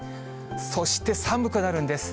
そして寒くなるんです。